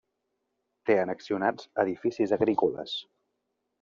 Té annexionats edificis agrícoles.